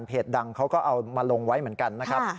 ดังเขาก็เอามาลงไว้เหมือนกันนะครับ